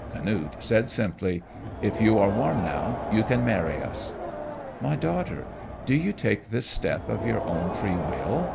Canute said simply, "If you are warm now, you can marry us." "My daughter, do you take this step of your own free will?"